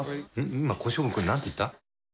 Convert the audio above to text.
今、小勝負君、何て言った？